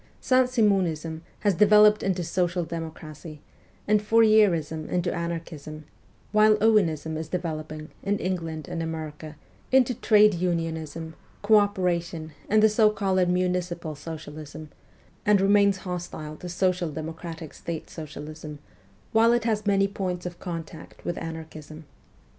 Saint Simonism has developed into social democracy, and Fourierism into anarchism ; while Owenism is developing, in England and America, into trade unionism, co opera tion, and the so called municipal socialism, and remains hostile to social democratic state socialism, while it has many points of contact with anarchism.